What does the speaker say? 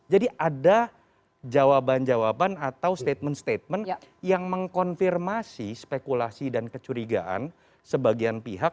jadi ada jawaban jawaban atau statement statement yang mengkonfirmasi spekulasi dan kecurigaan sebagian pihak